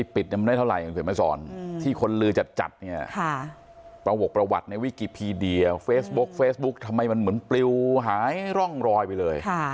ปิดมันได้เท่าไหร่ที่คนลือจัดประบบประวัติในวิกิพีเดียเฟซบุ๊กทำไมมันเหมือนปลิวหายร่องรอยไปเลย